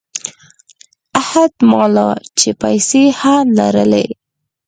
احت مالًا چې پیسې هم لرلې.